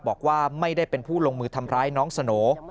บอกว่าไม่ได้เป็นผู้ลงมือทำร้ายน้องสโหน่